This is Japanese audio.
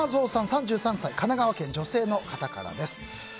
３３歳、神奈川県女性の方からです。